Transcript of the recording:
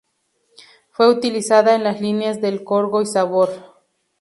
Fue utilizada en las Líneas del Corgo y Sabor.